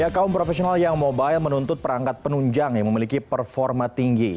kaum profesional yang mobile menuntut perangkat penunjang yang memiliki performa tinggi